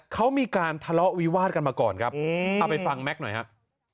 เขามีการทะเลาะวิวาดกันมาก่อนครับเอาไปฟังแม็กซ์หน่อยครับ